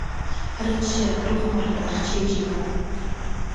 Рыччара, рыхәмарра, рчеиџьыка…